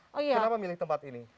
kenapa milih tempat ini